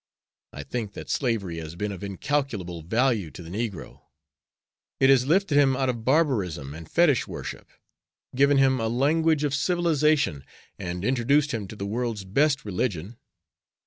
I think that slavery has been of incalculable value to the negro. It has lifted him out of barbarism and fetich worship, given him a language of civilization, and introduced him to the world's best religion.